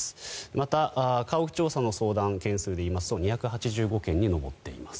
また、家屋調査の相談件数でいいますと２８５件に上っています。